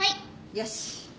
よし！